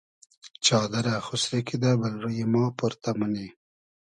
چادئرہ خوسری کیدہ بئل روی ما پۉرتۂ مونی